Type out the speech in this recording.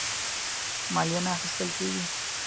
مالیه نه اخیستله کیږي.